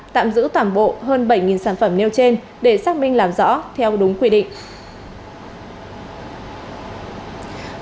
tạm giữ toàn bộ hơn bảy sản phẩm nêu trên để xác minh làm rõ theo đúng quy định